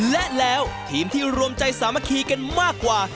และแล้วทีมที่รวมใจสามัคคีกันมากกว่า